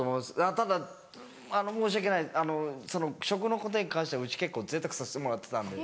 ただ申し訳ないあの食のことに関してはうち結構ぜいたくさせてもらってたんで。